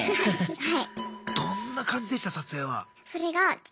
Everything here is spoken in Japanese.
はい。